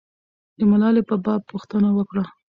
د ملالۍ په باب پوښتنه وکړه.